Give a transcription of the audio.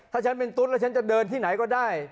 ถ้าฉันเป็นตุ๊ดแล้วฉันจะเดินที่ไหนก็ได้